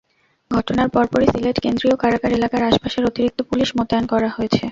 ঘটনার পরপরই সিলেট কেন্দ্রীয় কারাগার এলাকার আশপাশে অতিরিক্ত পুলিশ মোতায়েন করা হয়েছে।